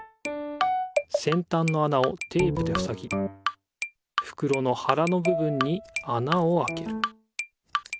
せんたんのあなをテープでふさぎふくろのはらのぶぶんにあなをあける